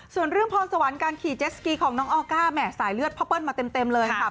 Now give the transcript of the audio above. ส่วนเรื่องพรสวรรค์การขี่เจสสกีของน้องออก้าแห่สายเลือดพ่อเปิ้ลมาเต็มเลยค่ะ